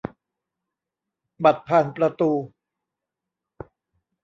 บัตรผ่านประตู